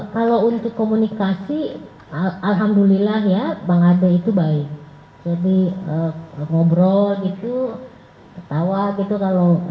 kalau untuk komunikasi alhamdulillah ya bang ade itu baik jadi ngobrol gitu ketawa gitu kalau